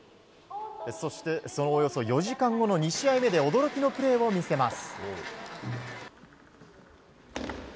そのおよそ４時間後の２試合目で驚きのプレーを見せます。